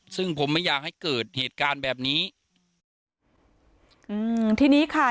ซึ่งผมไม่อยากให้เกิดเหตุการณ์แบบนี้อืมทีนี้ค่ะ